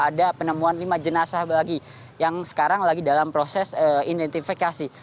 ada penemuan lima jenazah lagi yang sekarang lagi dalam proses identifikasi